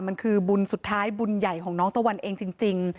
มันคือบุญสุดท้ายบุญใหญ่ของน้องตะวันเองจริง